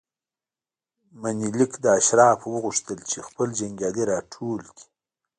منیلیک له اشرافو وغوښتل چې خپل جنګیالي راټول کړي.